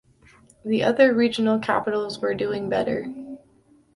The other regional capitals were doing better.